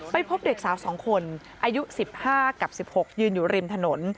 พบเด็กสาว๒คนอายุ๑๕กับ๑๖ยืนอยู่ริมถนน